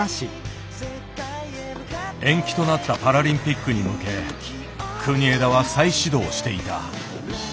延期となったパラリンピックに向け国枝は再始動していた。